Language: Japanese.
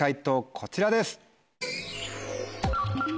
こちらです。